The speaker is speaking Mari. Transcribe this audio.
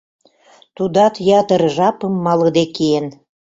Тудат ятыр жапым малыде киен.